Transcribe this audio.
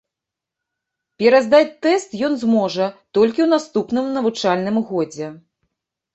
Пераздаць тэст ён зможа толькі ў наступным навучальным годзе.